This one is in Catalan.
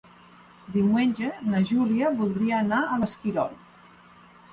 Diumenge na Júlia voldria anar a l'Esquirol.